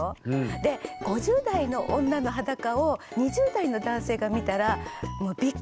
で５０代の女の裸を２０代の男性が見たらもうそうなの？